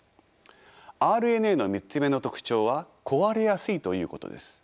ＲＮＡの３つ目の特徴は壊れやすいということです。